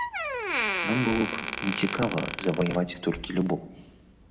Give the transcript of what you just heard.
Нам было б нецікава заваяваць толькі любоў!